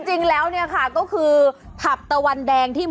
จริงแล้วเนี่ยค่ะก็คือผับตะวันแดงที่